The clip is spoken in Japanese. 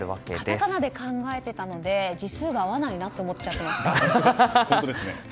カタカナで考えてたので字数が合わないなと思ってました。